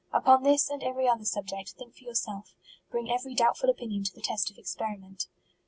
Upon this and every other subject, think for yourself; bring every doubtful opinion to the test of experiment.